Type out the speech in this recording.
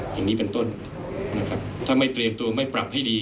อย่างนี้เป็นต้นนะครับถ้าไม่เตรียมตัวไม่ปรับให้ดี